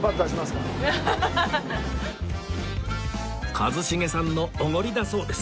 一茂さんのおごりだそうです